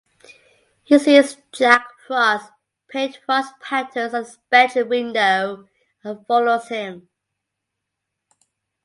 He sees Jack Frost paint frost patterns on his bedroom window and follows him.